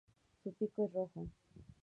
Su pico es rojo.